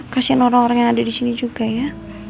kasian orang orang yang ada di sini juga ya